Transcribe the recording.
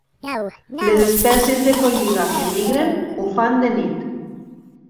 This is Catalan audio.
Les espècies de folliga que migren ho fan de nit.